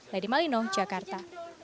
lady malino jakarta